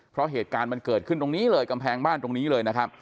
เพราะเหตุการณ์มันเกิดขึ้นตรงนี้เลยกำแพงบ้านตรงนี้เลยนะครับ